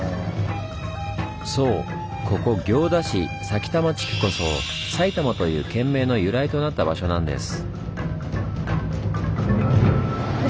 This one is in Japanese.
そうここ行田市埼玉地区こそ「埼玉」という県名の由来となった場所なんです。